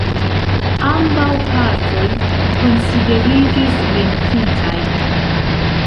Ambaŭ partoj konsideriĝis venkintaj.